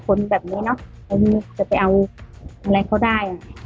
คนแบบนี้เนอะคนจะไปเอาอะไรเขาได้